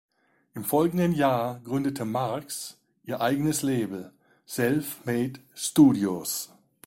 Im folgenden Jahr gründete Marks ihr eigenes Label "Self Made Studios".